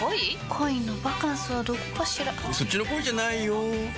恋のバカンスはどこかしらそっちの恋じゃないよ